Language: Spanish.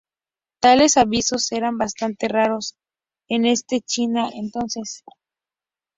Tales avisos eran bastante raros en ese China entonces.